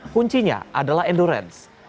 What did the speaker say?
kuncinya adalah endurance